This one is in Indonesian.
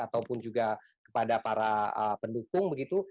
ataupun juga kepada para pendukung begitu